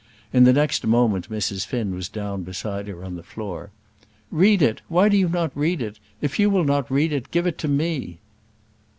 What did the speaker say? In the next moment Mrs. Finn was down beside her on the floor. "Read it; why do you not read it? If you will not read it, give it to me."